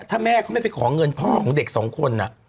ถ้าแม่เขาไม่ไปขอเงินพ่อของเด็กสองคน